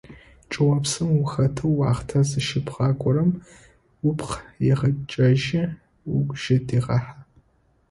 ЧӀыопсым ухэтэу уахътэр зыщыбгъакӏорэм упкъ егъэкӀэжьы, угу жьы дегъэхьэ.